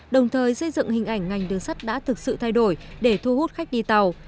đồng thời xây dựng hình ảnh ngành đường sắt đã thực sự thay đổi để thu hút khách đi tàu